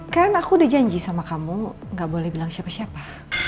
kan aku udah janji sama kamu gak boleh bilang siapa siapa